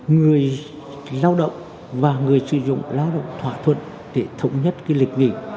người lao động và người sử dụng lao động thỏa thuận để thống nhất lịch nghỉ